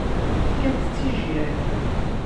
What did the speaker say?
Fkant-tt i jjiḥ.